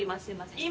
今。